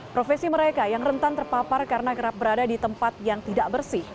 profesi mereka yang rentan terpapar karena kerap berada di tempat yang tidak bersih